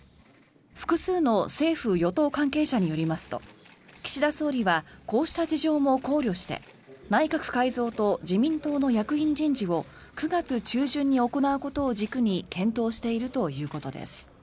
複数の政府・与党関係者によりますと岸田総理はこうした事情も考慮して内閣改造と自民党の役員人事を９月中旬に行うことを軸に検討しているということです。